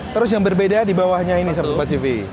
terus yang berbeda dibawahnya ini sahabat kompas tv